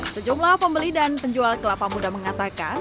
sejumlah pembeli dan penjual kelapa muda mengatakan